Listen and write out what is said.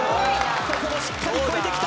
ここもしっかり越えてきた